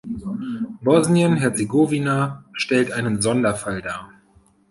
Bosnien-Herzegowina stellt einen Sonderfall dar.